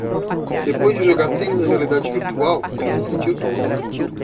Depois de jogar tênis em realidade virtual? ele se sentiu tonto.